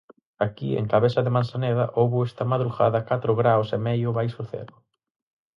Aquí, en Cabeza de Manzaneda, houbo esta madrugada catro graos e medio baixo cero.